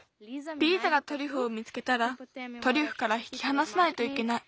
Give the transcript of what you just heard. リーザがトリュフを見つけたらトリュフからひきはなさないといけない。